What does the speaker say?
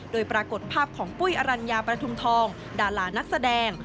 โดยปรากฏภาพของปุ้ยอรัญญาประทุมทองดารานักแสดง